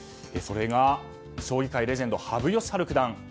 それが将棋界レジェンド羽生善治九段。